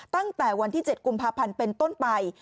ตั้งแต่วันที่๗กุมภาพันธ์เป็นต้นไป